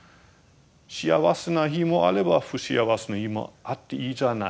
幸せな日もあれば不幸せな日もあっていいじゃないか。